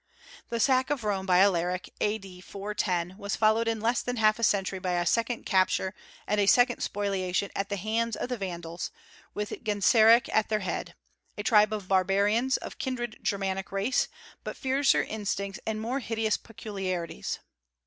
The sack of Rome by Alaric, A.D. 410, was followed in less than half a century by a second capture and a second spoliation at the hands of the Vandals, with Genseric at their head, a tribe of barbarians of kindred Germanic race, but fiercer instincts and more hideous peculiarities.